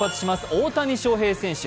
大谷翔平選手。